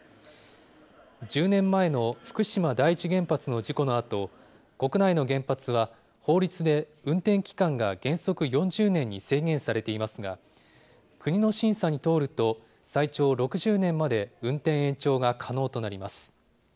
１０年前の福島第一原発の事故のあと、国内の原発は法律で運転期間が原則４０年に制限されていますが、国の審査に通ると、最長６０年まで運転延長が可能となります。